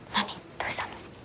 どうしたの？